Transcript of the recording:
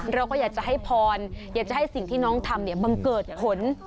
เราก็อยากจะให้พรอยากจะให้สิ่งที่น้องทำเนี่ยบังเกิดผล